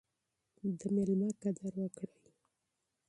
د میلمه قدر وکړئ.